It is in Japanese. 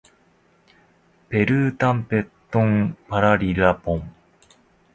ペルータンペットンパラリラポン